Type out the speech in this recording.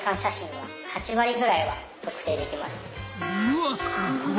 うわすごい！